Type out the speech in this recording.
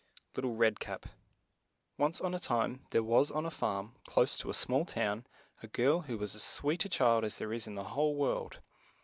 LITTLE RED CAP /'"ANCE on a time, there was on a farm, close to a small town, ^*S a girl who was as sweet a child as there is in the whole world.